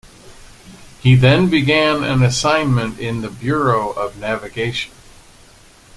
He then began an assignment in the Bureau of Navigation.